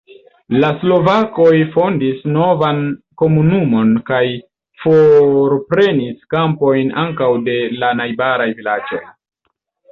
La slovakoj fondis novan komunumon kaj forprenis kampojn ankaŭ de la najbaraj vilaĝoj.